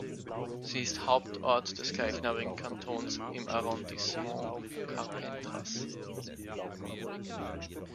Sie ist Hauptort des gleichnamigen Kantons im Arrondissement Carpentras.